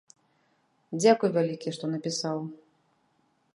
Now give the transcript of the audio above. Дзякуй вялікі, што напісаў.